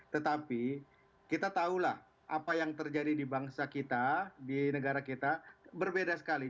tetapi kita tahulah apa yang terjadi di bangsa kita di negara kita berbeda sekali